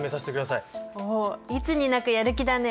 おっいつになくやる気だね。